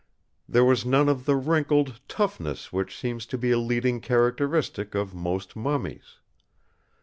There was none of the wrinkled toughness which seems to be a leading characteristic of most mummies.